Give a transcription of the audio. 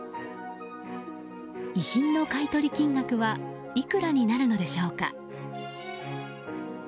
遺品の買い取り金額はいくらになるのでしょうか。